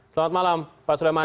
selamat malam pak suleman